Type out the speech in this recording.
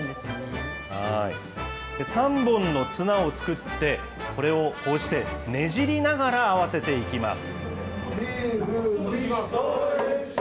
３本の綱を作って、これをこうしてねじりながら合わせていきます。